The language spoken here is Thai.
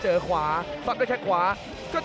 จิบลำตัวไล่แขนเสียบใน